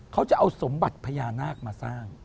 เขาจะเอาสมบัติพญานาคมาสร้าง